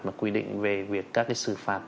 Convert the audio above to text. mà quy định về việc các cái sự phạt